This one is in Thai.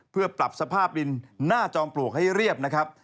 เพื่อปรับสภาพดินหน้าจอมปลวกให้เรียบนะครับ